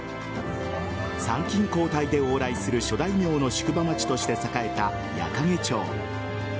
参勤交代で往来する諸大名の宿場町として栄えた矢掛町。